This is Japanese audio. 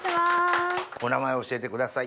お名前教えてください。